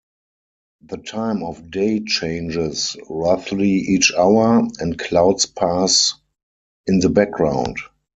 The time of day changes roughly each hour, and clouds pass in the background.